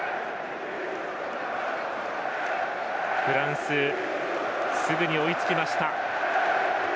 フランスすぐに追いつきました。